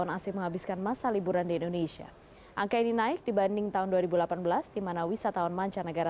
pemerintah juga menghentikan promosi wisata